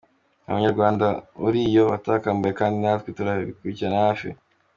Nta munyarwanda uri yo watakambye kandi natwe turabikurikiranira hafi.